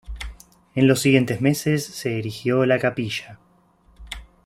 En los siguientes meses se erigió la capilla.